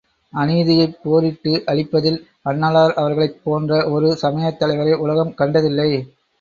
அநீதியைப் போரிட்டு அழிப்பதில் அண்ணலார் அவர்களைப் போன்ற ஒரு சமயத் தலைவரை உலகம் கண்டதில்லை.